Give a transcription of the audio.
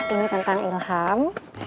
ini tentang ilham